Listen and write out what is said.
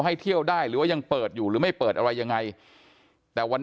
ให้เที่ยวได้หรือว่ายังเปิดอยู่หรือไม่เปิดอะไรยังไงแต่วัน